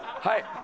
はい。